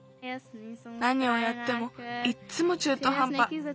なにをやってもいっつもちゅうとはんぱ。